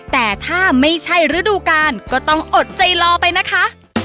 แต่ถ้าไม่ใช่ฤดูกาลก็ต้องอดใจรอไปนะคะ